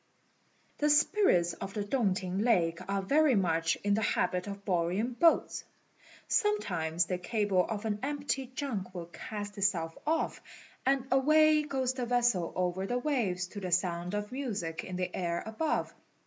The spirits of the Tung t'ing lake are very much in the habit of borrowing boats. Sometimes the cable of an empty junk will cast itself off, and away goes the vessel over the waves to the sound of music in the air above.